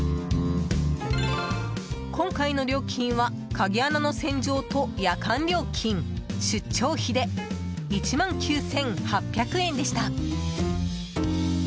今回の料金は、鍵穴の洗浄と夜間料金、出張費で１万９８００円でした。